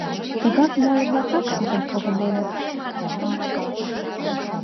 Тыгак моло-влакат шукын погыненыт.